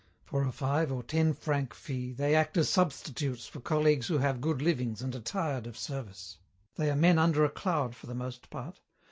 For a five or ten franc fee they act as substitutes for colleagues who have good livings and are tired of service. They are men under a cloud for the most part.